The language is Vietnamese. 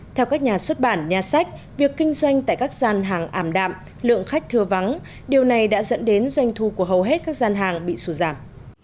theo các nhà xuất bản nhà sách việc kinh doanh tại các gian hàng ảm đạm lượng khách thưa vắng điều này đã dẫn đến doanh thu của hầu hết các gian hàng bị sụt giảm